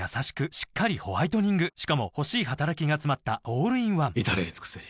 しっかりホワイトニングしかも欲しい働きがつまったオールインワン至れり尽せり